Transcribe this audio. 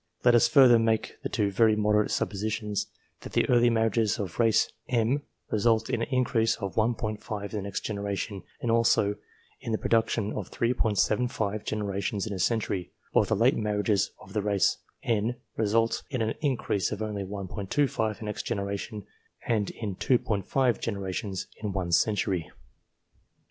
Let us further make the two very moderate suppositions, that the early marriages of race H result in an increase of 1 J in the next generation, and also in the production of 3f genera tions in a century, while the late marriages of race N result in an increase of only 1 J in the next generation and in 2 generations in one century.